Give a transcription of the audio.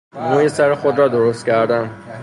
موی سر خود را درست کردن